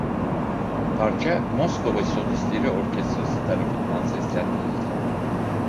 Parça "Moskova solistleri" orkestrası tarafından seslendirildi.